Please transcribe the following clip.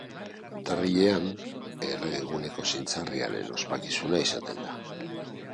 Urtarrilean errege eguneko zintzarriaren ospakizuna izaten da.